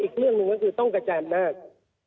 อีกเรื่องหนึ่งก็คือจะต้องกระจ่ายอำนาจ